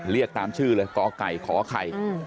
เรียกตามชื่อเลยกไก่ขอไข่